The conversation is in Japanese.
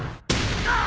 ああ！